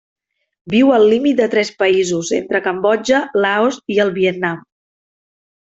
Viu al límit de tres països entre Cambodja, Laos i el Vietnam.